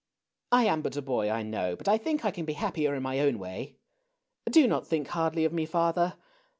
I am but a boy, I know ; blit I think I can be happier in my own way. Do not think hardly of me, father.